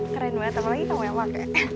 keren banget apalagi kamu emang ya